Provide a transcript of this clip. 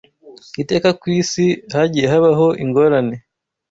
Iteka ku isi hagiye habaho ingorane